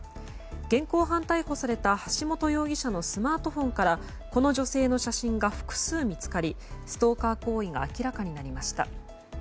現行犯逮捕された橋本容疑者のスマートフォンからこの女性の写真が複数見つかりストーカー行為が明らかになりました。